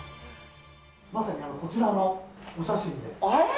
まさにこちらのお写真で。